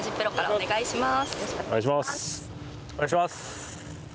お願いします。